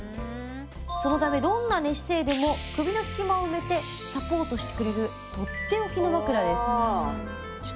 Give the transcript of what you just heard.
そのためどんな寝姿勢でも首の隙間を埋めてサポートしてくれるとっておきの枕です。